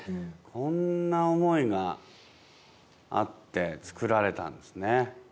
こんな思いがあって、作られたんですね。